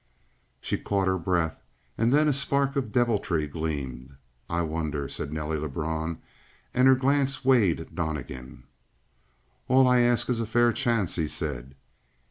She caught her breath and then a spark of deviltry gleamed. "I wonder!" said Nelly Lebrun, and her glance weighed Donnegan. "All I ask is a fair chance," he said.